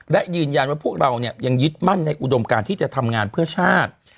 และยืนยันว่าพวกเรายังยึดมั่นในอุดมการที่จะทำงานเพื่อชาติ